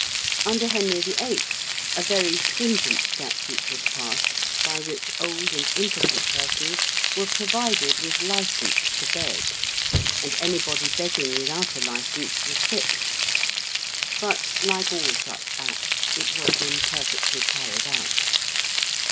Under Henry VIII. a very stringent statute was passed by which old and impotent persons were provided with license to beg, and anybody begging without a license was whipped. But like all such acts it was imperfectly carried out.